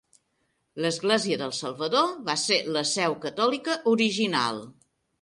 L'Església del Salvador va ser la seu catòlica original.